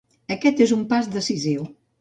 Aquest és un pas decisiu.